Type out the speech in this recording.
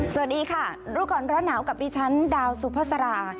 สวัสดีค่ะรู้ก่อนร้อนหนาวกับดิฉันดาวสุภาษารา